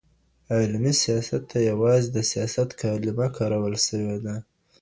عملي سياست ته يوازې د سياست کلمه کارول سمه ده.